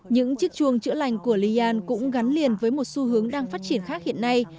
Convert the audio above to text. những chiếc chuồng chữa lành của lian cũng gắn liền với một xu hướng đang phát triển khác hiện nay